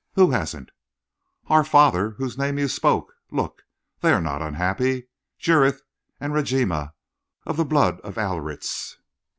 "Who hasn't?" "Our Father whose name you spoke. Look! They are not unhappy, Jurith and Rajima, of the blood of Aliriz."